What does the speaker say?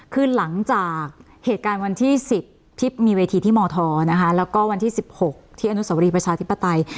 คือหลังจากเหตุการณ์วันที่๑๐ที่มีเวทีที่มธนะคะแล้วก็วันที่๑๖ที่อนุสวรีประชาธิปไตย